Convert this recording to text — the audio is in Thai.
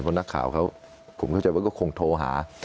เพราะนักข่าวเขาผมเข้าใจว่าก็คงโทรหา